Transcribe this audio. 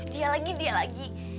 dia lagi dia lagi